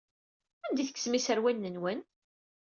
Anda ay tekksem iserwalen-nwen?